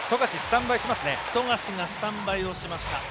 富樫スタンバイをしました。